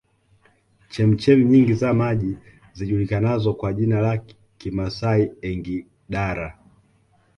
Chemchemi nyingi za maji zijulikanazo kwa jina la Kimasai Engidara